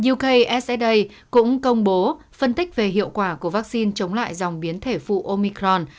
ukssa cũng công bố phân tích về hiệu quả của vaccine chống lại dòng biến thể phụ omicron